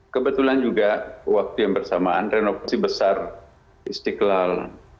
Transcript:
kebetulan juga waktu yang bersamaan renovasi besar istiqlal